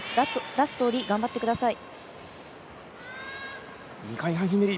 ラスト下り、頑張ってください。